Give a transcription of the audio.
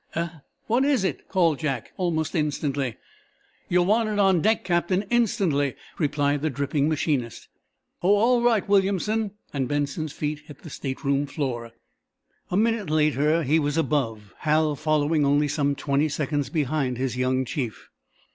"Eh? What is it?" called Jack, almost instantly. "You're wanted on deck, Captain instantly," replied the dripping machinist. "Oh, all right, Williamson," and Benson's feet hit the stateroom floor. A minute later he was above, Hal following only some twenty seconds behind his young chief.